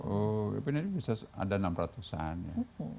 oh webinar ini bisa ada enam ratusan ya